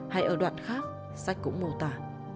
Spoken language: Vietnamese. hay ở đoạn khác sách cũng mô tả